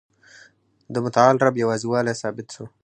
د متعال رب یوازي والی ثابت سو.